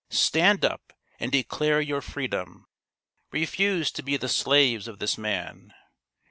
Stand up and declare your freedom. Refuse to be the slaves of this man.